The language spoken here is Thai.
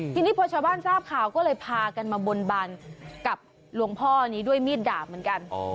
ทีนี้พอชาวบ้านทราบข่าวก็เลยพากันมาบนบานกับหลวงพ่อนี้ด้วยมีดดาบเหมือนกัน